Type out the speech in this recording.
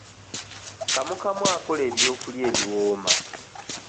Kamukamu akola ebyokulya ebiwooma.